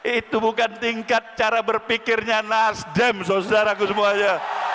itu bukan tingkat cara berpikirnya nasdem saudara saudara aku semuanya